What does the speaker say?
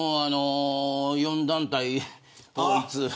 ４団体統一。